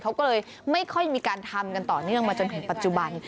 เขาก็เลยไม่ค่อยมีการทำกันต่อเนื่องมาจนถึงปัจจุบัน